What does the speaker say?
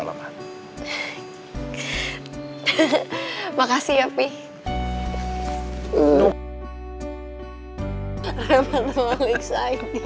reva luar biasa